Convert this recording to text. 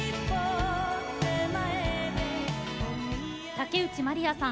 竹内まりやさん